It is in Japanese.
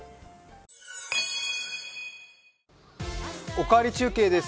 「おかわり中継」です